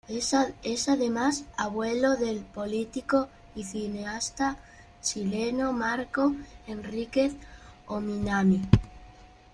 Es además, abuelo del político y cineasta chileno Marco Enríquez-Ominami.